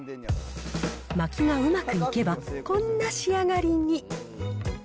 巻きがうまくいけば、こんな仕上がりに。